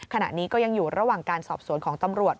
ขณะนี้ก็ยังอยู่ระหว่างการสอบสวนของตำรวจ